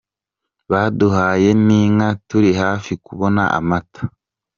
Baduhaye n’inka turi hafi kubona amata.